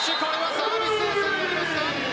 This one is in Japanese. サービスエースになりました。